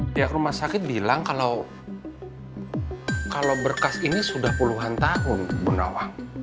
pihak rumah sakit bilang kalau berkas ini sudah puluhan tahun bu nawa